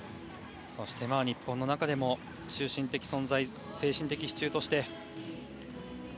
そして、日本の中でも中心的存在、精神的支柱として。